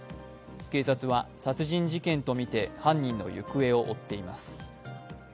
警察は殺人事件とみて犯人の行方を追っています。